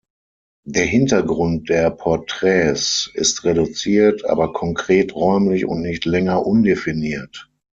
Der Hintergrund der Porträts ist reduziert, aber konkret-räumlich und nicht länger undefiniert.